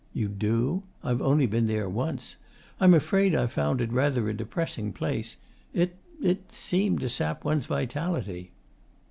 'You do? I've only been there once. I'm afraid I found it rather a depressing place. It it seemed to sap one's vitality.